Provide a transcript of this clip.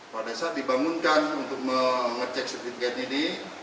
pada saat dibangunkan untuk mengecek sertifikat ini